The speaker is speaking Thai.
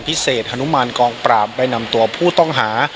พิเศษฮนุมานกองปราบได้นำตัวผู้ต้องหา